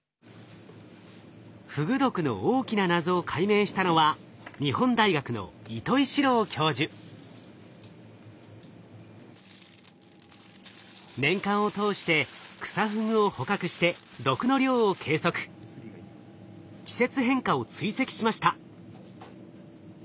フグ毒の大きな謎を解明したのは日本大学の年間を通してクサフグを捕獲して季節変化を追跡しました。